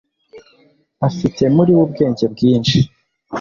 afite muriwe ubwenge bwinshi